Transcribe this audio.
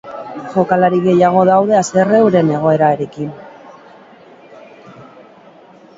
Jokalari gehiago daude haserre euren egoerarekin.